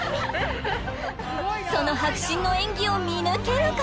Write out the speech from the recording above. その迫真の演技を見抜けるか？